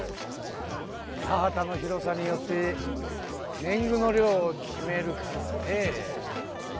田畑の広さによって年ぐの量を決めるからねえ。